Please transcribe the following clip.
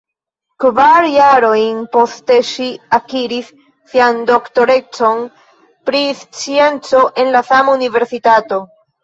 Kvar jarojn poste ŝi akiris sian doktorecon pri scienco en la sama universitato.